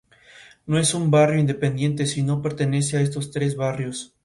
El templo está adscrito, como patrimonio monumental, al Servicio Arqueológico de la India.